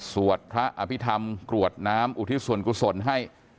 สวดพระอภิษฐรรมกรวดน้ำอุทิศส่วนกุศลให้